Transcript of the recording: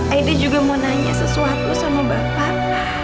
aide juga mau nanya sesuatu sama bapak